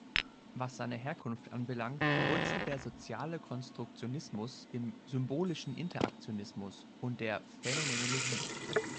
Was seine Herkunft anbelangt, wurzelt der Soziale Konstruktionismus im „Symbolischen Interaktionismus“ und der „Phänomenologie“.